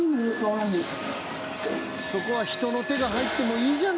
そこは人の手が入ってもいいじゃない。